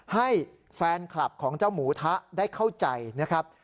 ให้แฟนคลับของเจ้าหมูทะได้เข้าใจนะครับ